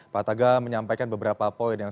pak taga menyampaikan beberapa poin yang